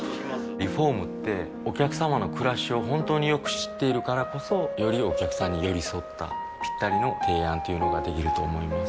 リフォームってお客様の暮らしを本当によく知っているからこそよりお客様に寄り添ったぴったりの提案というのができると思います